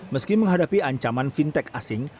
meski menghadapi ancaman fintech asing